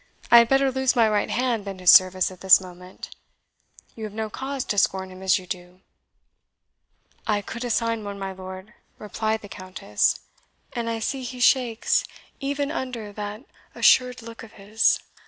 I had better lose my right hand than his service at this moment. You have no cause to scorn him as you do." "I could assign one, my lord," replied the Countess; "and I see he shakes even under that assured look of his.